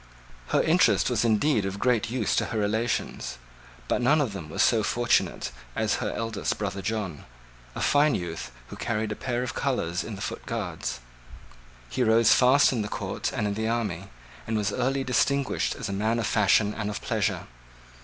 Her interest was indeed of great use to her relations: but none of them was so fortunate as her eldest brother John, a fine youth, who carried a pair of colours in the foot guards. He rose fast in the court and in the army, and was early distinguished as a man of fashion and of pleasure.